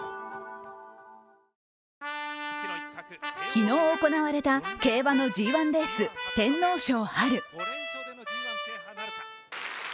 昨日行われた競馬のＧⅠレース、天皇賞。